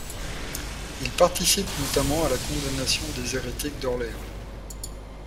Il participe notamment à la condamnation des hérétiques d'Orléans.